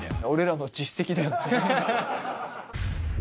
俺らの実績だよ。